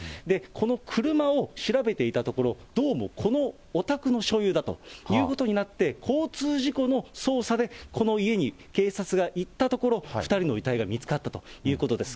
この車を調べていたところ、どうもこのお宅の所有だということになって、交通事故の捜査でこの家に警察が行ったところ、２人の遺体が見つかったということです。